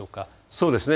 そうですね。